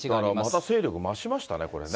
また勢力を増しましたね、これね。